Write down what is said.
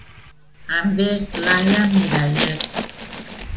Em dic Laia Mirallet.